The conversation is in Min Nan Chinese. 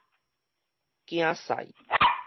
囝婿